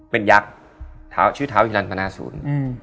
เป็นยักษ์ชื่อเท้าอีรันพนาศูนย์